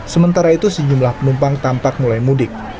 sementara itu sejumlah penumpang tampak mulai mudik